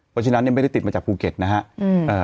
เพราะฉะนั้นเนี่ยไม่ได้ติดมาจากภูเก็ตนะครับ